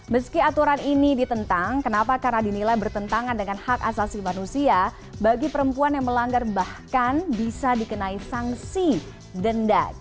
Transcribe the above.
meski aturan ini ditentang kenapa karena dinilai bertentangan dengan hak asasi manusia bagi perempuan yang melanggar bahkan bisa dikenai sanksi denda